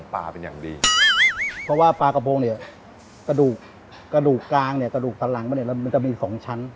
ปลากระโพงเนี่ยกระดูกกลางเนี่ยกระดูกสันหลังมันจะมี๒ชั้น